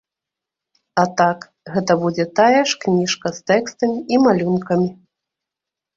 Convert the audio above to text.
А так, гэта будзе тая ж кніжка з тэкстамі і малюнкамі.